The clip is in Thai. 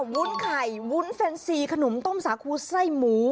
วุ้นไข่วุ้นแฟนซีขนมต้มสาคูไส้หมู